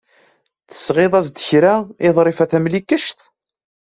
Tesɣiḍ-as-d kra i Ḍrifa Tamlikect.